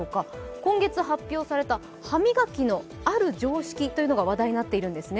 今月発表された歯磨きのある常識というのが話題になっているんですね。